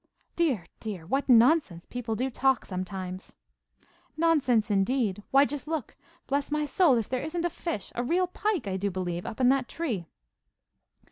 Dear, dear, what nonsense people do talk sometimes.' 'Nonsense, indeed! Why, just look. Bless my soul, if there isn't a fish, a real pike I do believe, up in that tree.